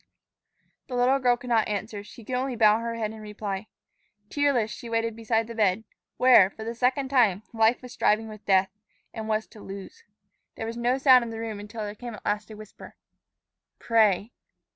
The little girl could not answer; she could only bow her head in reply. Tearless, she waited beside the bed, where, for the second time, Life was striving with Death, and was to lose. There was no sound in the room until there came a last whisper, "Pray."